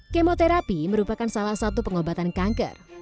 kemoterapi merupakan salah satu pengobatan kanker